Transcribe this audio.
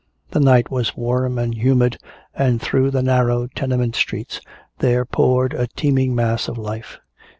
The night was warm and humid, and through the narrow tenement streets there poured a teeming mass of life.